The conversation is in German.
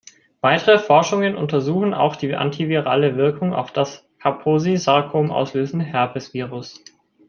Weitere Forschungen untersuchen auch die antivirale Wirkung auf das Kaposi-Sarkom-auslösende Herpesvirus.